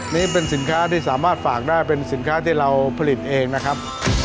นี่เป็นสินค้าที่สามารถฝากได้เป็นสินค้าที่เราผลิตเองนะครับ